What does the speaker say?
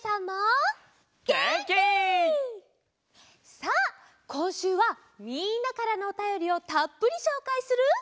さあこんしゅうはみんなからのおたよりをたっぷりしょうかいする。